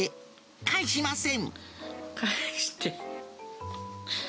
返しません。